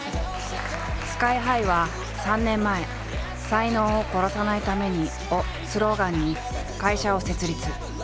ＳＫＹ−ＨＩは３年前「才能を殺さないために」をスローガンに会社を設立。